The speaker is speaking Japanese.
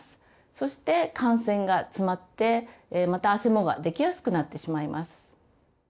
そして汗腺が詰まってまたあせもができやすくなってしまいます。